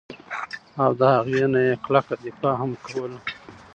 او د هغې نه ئي کلکه دفاع هم کوله